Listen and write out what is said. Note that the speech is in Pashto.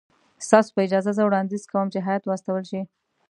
ستاسو په اجازه زه وړاندیز کوم چې هیات واستول شي.